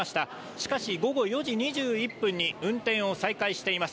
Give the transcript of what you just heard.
しかし、午後４時２１分に運転を再開しています。